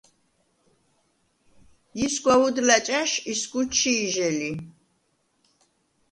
ისგვა უდლა̈ ჭა̈შ ისგუ ჩი̄ჟე ლი.